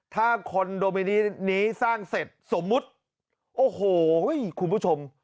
ถ้าคอนโดมินีนี้สร้างเสร็จสมมุติโอ้โหคุณผู้ชม